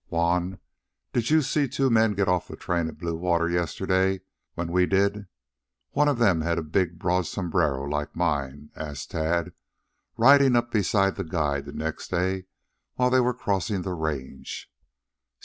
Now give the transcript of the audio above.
"Juan, did you see two men get off the train at Bluewater yesterday when we did? One of them had a big, broad sombrero like mine?" asked Tad, riding up beside the guide next day while they were crossing the range.